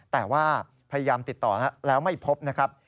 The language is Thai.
แต่ว่าพยายามติดต่อแล้วไม่พบนะครับ